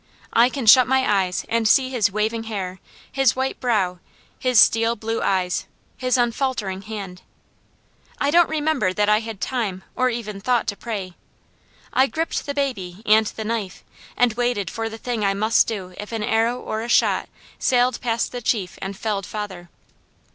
I can shut my eyes and see his waving hair, his white brow, his steel blue eyes, his unfaltering hand. I don't remember that I had time or even thought to pray. I gripped the baby, and the knife, and waited for the thing I must do if an arrow or a shot sailed past the chief and felled father.